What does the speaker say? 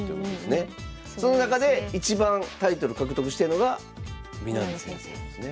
その中で一番タイトル獲得してるのが南先生ですね。